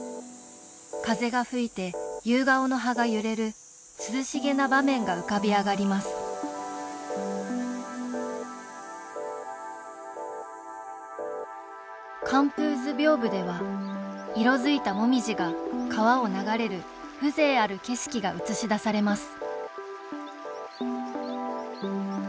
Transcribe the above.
風が吹いて夕顔の葉が揺れる涼しげな場面が浮かび上がります「観楓図屏風」では色づいた紅葉が川を流れる風情ある景色が映し出されます